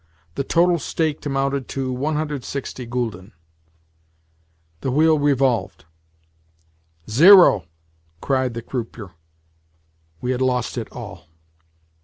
The total staked amounted to 160 gülden. The wheel revolved. "Zero!" cried the croupier. We had lost it all!